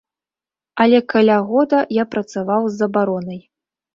Але каля года я працаваў з забаронай.